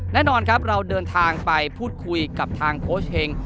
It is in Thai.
แน่นอนครับเราเดินทางไปพูดคุยกับทางโค้ชเฮง